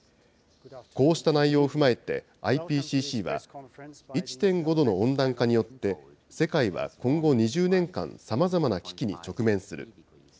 こうした内容を踏まえて、ＩＰＣＣは、１．５度の温暖化によって、世界は今後２０年間、さまざまな危機に直面する。